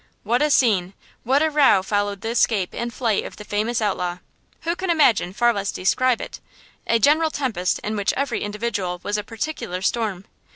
What a scene! what a row followed the escape and flight of the famous outlaw! Who could imagine, far less describe it!–a general tempest in which every individual was a particular storm!